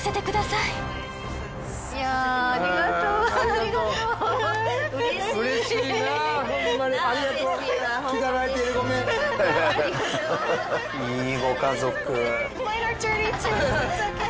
いいご家族。